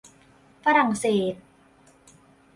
ฝรั่งเศส